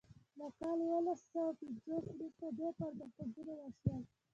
له کال اوولس سوه پنځوس وروسته ډیر پرمختګونه وشول.